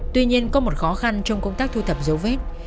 tuy nhiên có một khó khăn trong công tác thu thập dấu vết